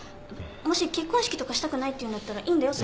もし結婚式とかしたくないっていうんだったらいいんだよ